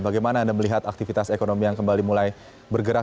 bagaimana anda melihat aktivitas ekonomi yang kembali mulai bergerak